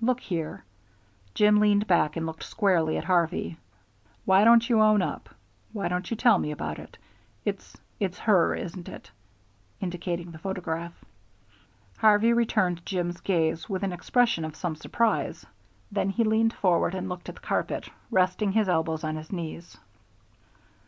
"Look here," Jim leaned back and looked squarely at Harvey, "why don't you own up? Why don't you tell me about it? It's it's her, isn't it?" indicating the photograph. Harvey returned Jim's gaze with an expression of some surprise, then he leaned forward and looked at the carpet, resting his elbows on his knees.